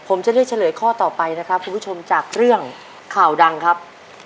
ผมจะเลือกเฉลยข้อต่อไปนะครับคุณผู้ชมจากเรื่องข่าวดังครับ